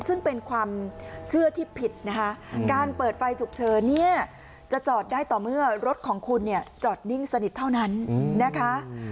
ซึ่งเป็นความเชื่อที่ผิดนะคะการเปิดไฟฉุกเฉินเนี่ยจะจอดได้ต่อเมื่อรถของคุณเนี่ยจอดนิ่งสนิทเท่านั้นนะคะ